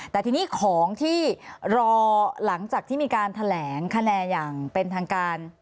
แต่ทีนี้ของที่รอหลังจากที่มีการแถลงคะแนนอย่างเป็นทางการ